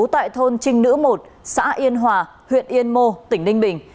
tại thôn trinh nữ một xã yên hòa huyện yên mô tỉnh ninh bình